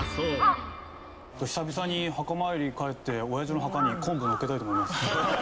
久々に墓参りに帰って親父の墓に昆布のっけたいと思います。